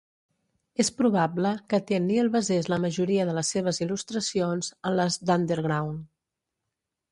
És probable que Tenniel basés la majoria de les seves il·lustracions en les d'"Under Ground".